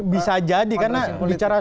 bisa jadi karena bicara